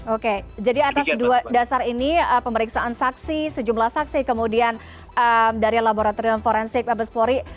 oke jadi atas dua dasar ini pemeriksaan saksi sejumlah saksi kemudian dari laboratorium forensik abespori